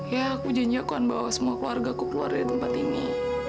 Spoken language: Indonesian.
ya aku janjikan bahwa semua keluarga aku keluar dari tempat ini